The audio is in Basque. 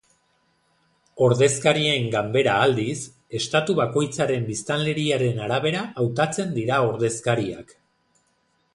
Ordezkarien Ganbera aldiz, estatu bakoitzaren biztanleriaren arabera hautatzen dira ordezkariak.